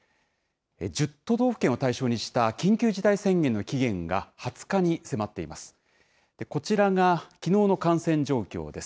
１０都道府県を対象にした緊急事態宣言の期限が２０日に迫っています。